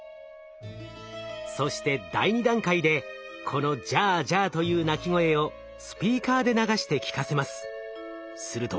そして第２段階でこの「ジャージャー」という鳴き声をスピーカーで流して聞かせます。